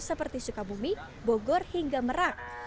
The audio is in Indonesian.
seperti sukabumi bogor hingga merak